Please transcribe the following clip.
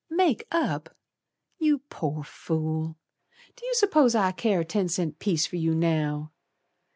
"Make up! You poor fool. Do you suppose I care a ten cent piece For you now.